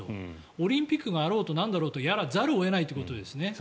オリンピックがあろうとなんだろうとやらざるを得ないということですね。